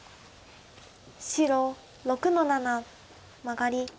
白６の七マガリ。